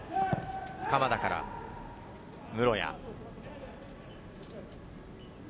鎌田から室屋。